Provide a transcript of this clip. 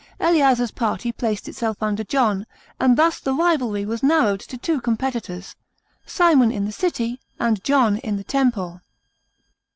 Eleazar's party placed itself under John, and thus the rivalry was narrowed to two competitors, Simon in the city and John in the Temple.